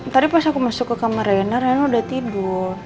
tadi pas aku masuk ke kamar reinhar raino udah tidur